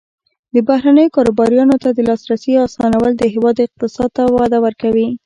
د بهرنیو کاروبارونو ته د لاسرسي اسانول د هیواد اقتصاد ته وده ورکوي.